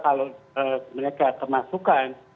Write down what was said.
kalau mereka termasukkan